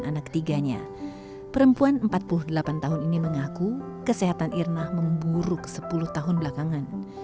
anak ketiganya perempuan empat puluh delapan tahun ini mengaku kesehatan irna memburuk sepuluh tahun belakangan